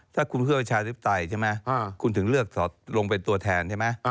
ถ้าคุณเพื่อประชาธิปไตยใช่มั้ยคุณถึงเลือกสวลงไปตัวแทนใช่มั้ย